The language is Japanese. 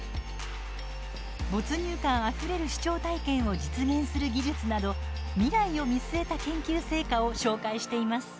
没入感あふれる視聴体験を実現する技術など未来を見据えた研究成果を紹介しています。